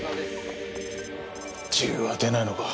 銃は出ないのか。